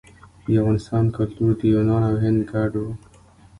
د افغانستان کلتور د یونان او هند ګډ و